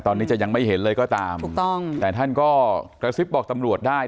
ตอนนี้จะยังไม่เห็นเลยก็ตามถูกต้องแต่ท่านก็กระซิบบอกตำรวจได้